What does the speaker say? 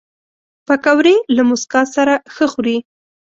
پکورې له موسکا سره ښه خوري